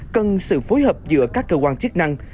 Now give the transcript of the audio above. cần sự phối hợp giữa các cơ quan chức năng